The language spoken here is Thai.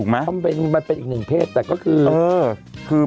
มันเป็นอีกหนึ่งเพศแต่ก็คือ